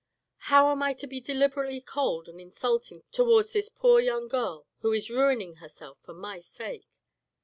How am I to be deliberately cold and insulting towards this poor young girl, who is ruining herself for my sake.